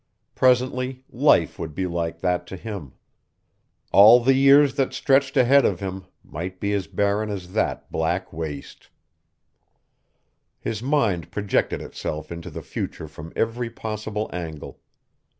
Presently life would be like that to him; all the years that stretched ahead of him might be as barren as that black waste. His mind projected itself into the future from every possible angle.